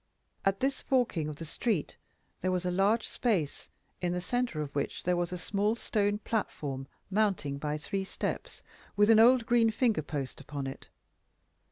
At this forking of the street there was a large space, in the centre of which there was a small stone platform, mounting by three steps, with an old green finger post upon it.